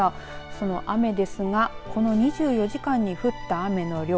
その雨ですがこの２４時間に降った雨の量